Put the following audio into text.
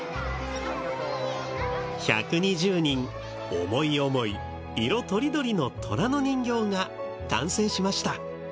１２０人思い思い色とりどりの虎の人形が完成しました。